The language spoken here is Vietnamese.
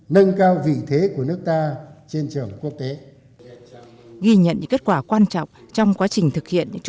nâng cao vị thế của nước ta trên trường quốc tế